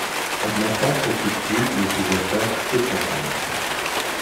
Admaston s'occupe plus de ses affaires que de sa femme.